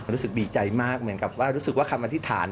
รู้สึกดีใจมากเหมือนกับว่ารู้สึกว่าคำอธิษฐาน